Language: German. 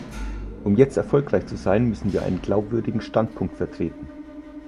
Um jetzt erfolgreich zu sein, müssen wir einen glaubwürdigen Standpunkt vertreten.